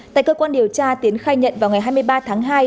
tại cơ quan điều tra tiến khai nhận vào ngày hai mươi ba tháng hai